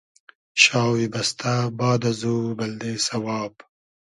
شاوی بئستۂ باد ازو بلدې سئواب